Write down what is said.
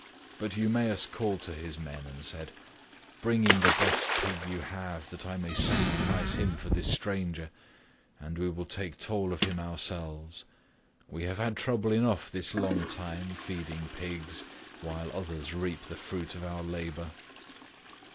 But Eumaeus called to his men and said, "Bring in the best pig you have, that I may sacrifice him for this stranger, and we will take toll of him ourselves. We have had trouble enough this long time feeding pigs, while others reap the fruit of our labour."